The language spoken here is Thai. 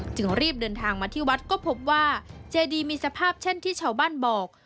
จึงรีบเดินทางมาที่วัดก็พบว่าเจดีมีสภาพเช่นที่ชาวบ้านบอก